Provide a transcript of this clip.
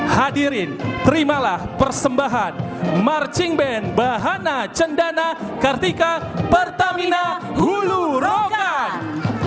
hadirin terimalah persembahan marching band bahana cendana kartika pertamina hulu rongga